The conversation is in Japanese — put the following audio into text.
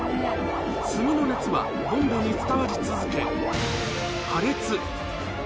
炭の熱はボンベに伝わり続け、破裂。